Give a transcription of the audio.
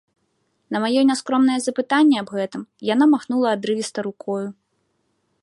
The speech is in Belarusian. На маё няскромнае запытанне аб гэтым яна махнула адрывіста рукою.